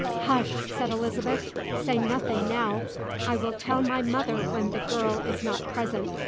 "Hush!" said Elizabeth; "say nothing now: I will tell my mother when the girl is not present.